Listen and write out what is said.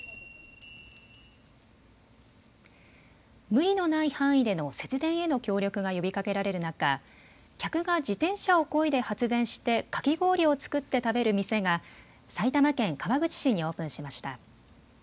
無理のない範囲での節電への協力が呼びかけられる中、客が自転車をこいで発電してかき氷を作って食べる店が埼玉県川口市にオープンしました。